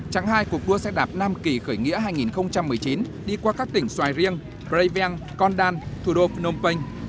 trạng hai của cuộc đua xe đạp nam kỳ khởi nghĩa hai nghìn một mươi chín đi qua các tỉnh xoài riêng breivik condal thủ đô phnom penh